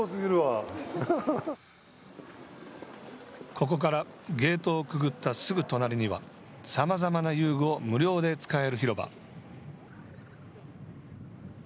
ここからゲートをくぐったすぐ隣にはさまざまな遊具を無料で使える広場。